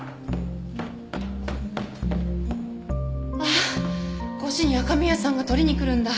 ああ５時に赤宮さんが取りに来るんだ。